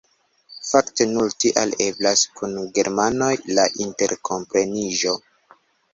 Fakte nur tial eblas kun germanoj la interkompreniĝo.